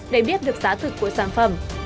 để biết được giá thực của sản phẩm